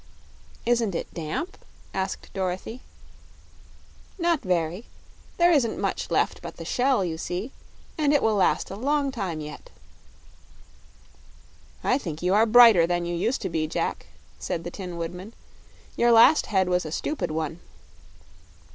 "Isn't it damp?" asked Dorothy. "Not very. There isn't much left but the shell, you see, and it will last a long time yet." "I think you are brighter than you used to be, Jack," said the Tin Woodman. "Your last head was a stupid one."